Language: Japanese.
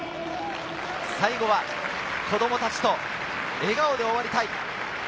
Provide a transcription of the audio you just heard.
最後は子供たちと笑顔で終わりたい。